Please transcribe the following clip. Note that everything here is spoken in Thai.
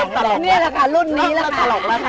นี่แหละค่ะรุ่นนี้แหละค่ะ